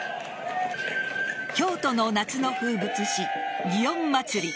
京都の夏の風物詩、祇園祭。